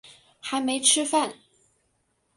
还没吃饭